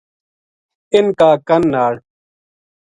ان کا کن نال